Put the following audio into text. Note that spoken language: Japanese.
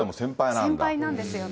先輩なんですよね。